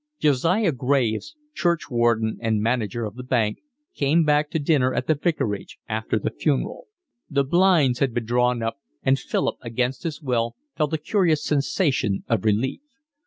Josiah Graves, churchwarden and manager of the bank, came back to dinner at the vicarage after the funeral. The blinds had been drawn up, and Philip, against his will, felt a curious sensation of relief.